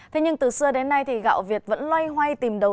thế nhưng từ xưa đến nay thì gạo việt vẫn loay hoay tìm đầu